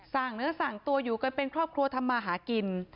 เนื้อสั่งตัวอยู่กันเป็นครอบครัวทำมาหากิน